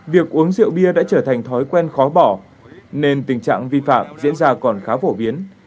việc uống rượu bia đã trở thành thói quen khó bỏ nên tình trạng vi phạm diễn ra còn khá phổ biến